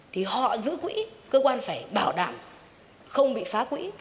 thì họ giữ quỹ cơ quan phải bảo đảm không bị phá quỹ